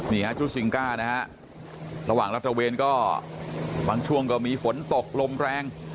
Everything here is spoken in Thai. นี่ฮะชุดซิงก้านะฮะระหว่างรัฐระเวนก็บางช่วงก็มีฝนตกลมแรง